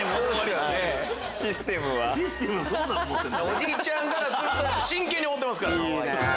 おじいちゃんからすると真剣に思ってますから。